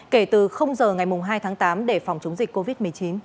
kể từ giờ ngày hai tháng tám để phòng chống dịch covid một mươi chín